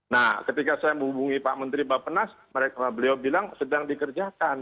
nah ketika saya hubungi pak menteri bappenas mereka beliau bilang sedang dikerjakan